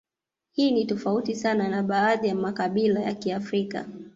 Hii ni tofauti sana na baadhi ya makabila ya Kiafrika